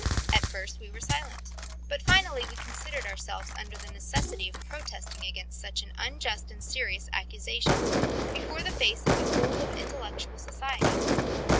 At first we were silent, but finally we considered ourselves under the necessity of protesting against such an unjust and serious accusation, before the face of the whole of intellectual society.